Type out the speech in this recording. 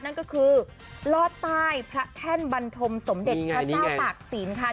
นั่นก็คือลอดใต้พระแท่นบันทมสมเด็จพระเจ้าตากศิลป์ค่ะ